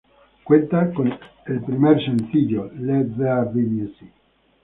Cuenta con el primer sencillo "Let there be music".